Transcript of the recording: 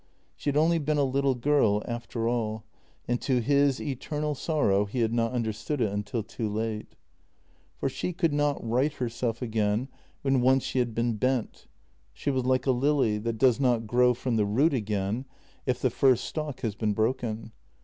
She had only been a little girl after all, and to his eternal sorrow he had not understood it until too late. For she could not right herself again when once she had been bent; she was like a lily, that does not grow from the root again if the first stalk has been broken.